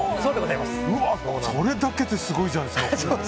それだけですごいじゃないですか。